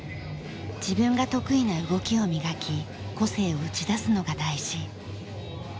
自分が得意な動きを磨き個性を打ち出すのが大事。